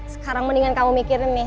sekarang mendingan kamu mikirin nih